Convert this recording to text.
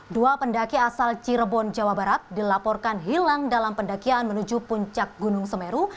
dua pendaki asal cirebon jawa barat dilaporkan hilang dalam pendakian menuju puncak gunung semeru